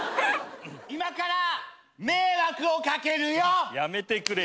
今から迷惑をかけるよ！